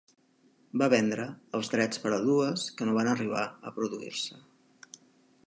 Va vendre els drets per a dues que no van arribar a produir-se.